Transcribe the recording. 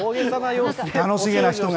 楽しげな人が。